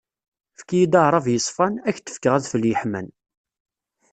Fki-yid aɛrab yeṣfan, ad ak-fkeɣ adfel yeḥman.